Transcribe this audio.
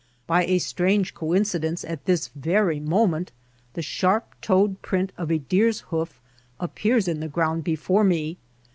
By a strange coin cidence at this very moment the sharp toed print of a deer^s hoof appears in the ground before me.